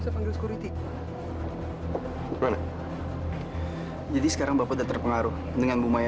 kalau memang bapak nggak percaya